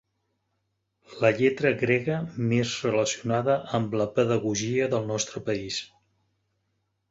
La lletra grega més relacionada amb la pedagogia del nostre país.